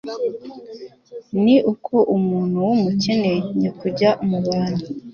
ni uko umuntu wumukene nyakujya mu bantu